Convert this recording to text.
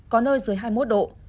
có nơi dưới hai mươi một độ